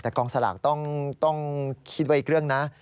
แต่กองสลากต้องคิดไว้อีกเรื่องนะ